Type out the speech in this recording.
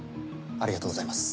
ありがとうございます。